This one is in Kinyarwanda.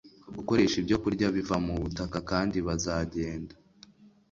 gukoresha ibyokurya biva mu butaka kandi bazagenda